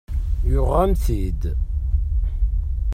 Yuɣ-am-t-id.